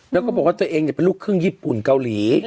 แล้วก็บอกว่าตัวเองเป็นลูกครึ่งญี่ปุ่นเกาหลี